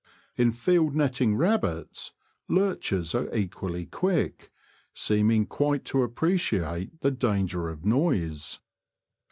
In field netting rab bits, lurchers are equally quick, seeming quite to appreciate the danger of noise.